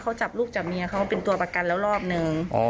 เขาจับลูกจับเมียเขาเป็นตัวประกันแล้วรอบนึง